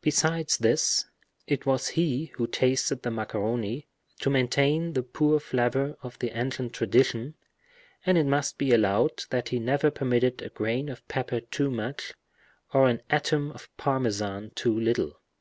Besides this, it was he who tasted the macaroni, to maintain the pure flavor of the ancient tradition; and it must be allowed that he never permitted a grain of pepper too much, or an atom of parmesan too little.